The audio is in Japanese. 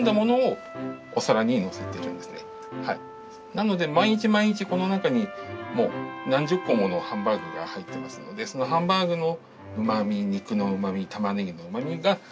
なので毎日毎日この中に何十個ものハンバーグが入ってますのでそのハンバーグのうまみ肉のうまみたまねぎのうまみがここに入っています。